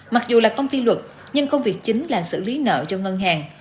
mặc dù là công ty luật nhưng công việc chính là xử lý nợ cho ngân hàng